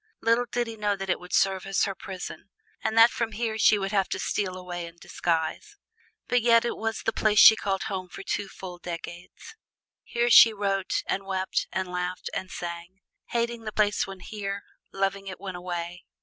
Little did he know that it would serve as her prison, and that from here she would have to steal away in disguise. But yet it was the place she called home for full two decades. Here she wrote and wept and laughed and sang: hating the place when here, loving it when away.